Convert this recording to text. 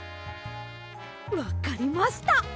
わかりました！